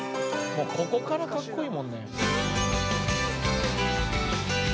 もうここから格好いいもんね」